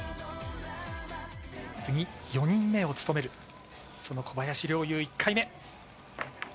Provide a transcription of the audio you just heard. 次、４人目を務めるその小林陵侑、１回目。